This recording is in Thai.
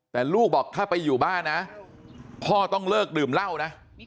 แต่ลูกบอกถ้าไปอยู่บ้านนะพ่อต้องเลิกดื่มเหล้านะ